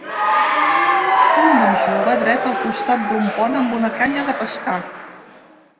Un noi jove dret al costat d'un pont amb una canya de pescar.